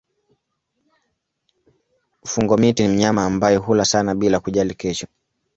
Fungo-miti ni mnyama ambaye hula sana bila kujali kesho.